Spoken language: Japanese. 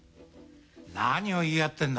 何を言い合ってんだ。